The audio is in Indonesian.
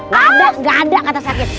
gak ada nggak ada kata sakit